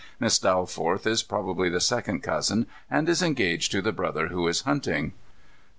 Miss Dalforth is probably the second cousin and is engaged to the brother who is hunting."